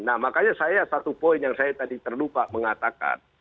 nah makanya saya satu poin yang saya tadi terlupa mengatakan